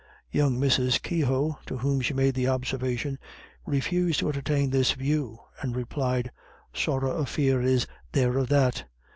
Young Mrs. Keogh, to whom she made the observation, refused to entertain this view, and replied, "Sorra a fear is there of that.